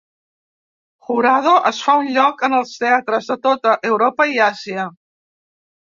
Jurado es fa un lloc en els teatres de tota Europa i Àsia.